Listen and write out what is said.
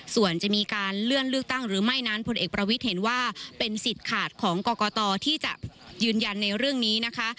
ส่วนจะมีการเลื่อนเลือกตั้งหรือไม่นั้นพลเอกประวิทย์เห็นว่าเป็นสิทธิ์ขาดของกรกตที่จะยืนยันในเรื่องนี้นะคะ